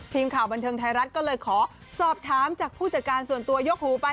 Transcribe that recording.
ทีมข่าวบันเทิงไทยรัฐก็เลยขอสอบถามจากผู้จัดการส่วนตัวยกหูไป